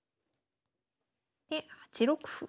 で８六歩。